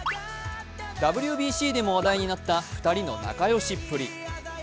ＷＢＣでも話題になった２人の仲良しっぷり。